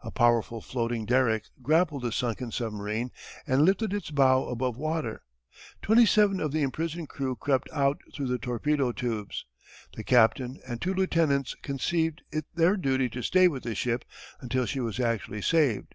A powerful floating derrick grappled the sunken submarine and lifted its bow above water. Twenty seven of the imprisoned crew crept out through the torpedo tubes. The captain and two lieutenants conceived it their duty to stay with the ship until she was actually saved.